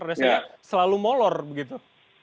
rasanya selalu molor begitu